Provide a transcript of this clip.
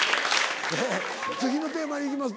え次のテーマにいきます